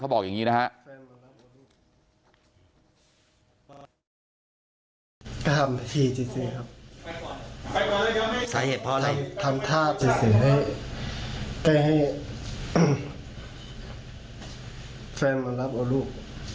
ทำท่าจิตเสียให้แฟนมารับลูก